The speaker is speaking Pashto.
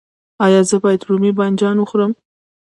ایا زه باید رومی بانجان وخورم؟